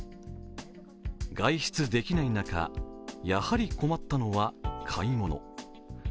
外出できない中、やはり困ったのは買い物。